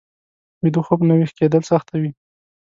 ویده خوب نه ويښ کېدل سخته وي